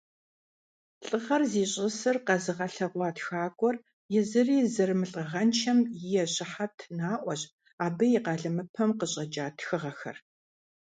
ЛӀыгъэр зищӀысыр къэзыгъэлъагъуэ тхакӀуэр езыри зэрымылӀыгъэншэм и щыхьэт наӀуэщ абы и къалэмыпэм къыщӀэкӀа тхыгъэхэр.